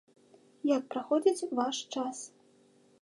Як праходзіць ваш час?